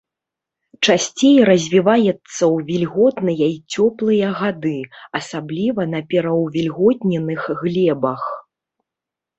Часцей развіваецца ў вільготныя і цёплыя гады, асабліва на пераўвільготненых глебах.